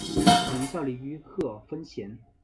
曾效力于贺芬咸。